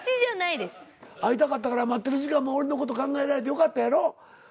会いたかったから待ってる時間も俺のこと考えられてよかったやろ？